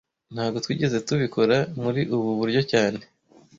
Ntago twigeze tubikora muri ubu buryo cyane